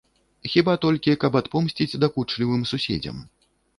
Хіба толькі, каб адпомсціць дакучлівым суседзям.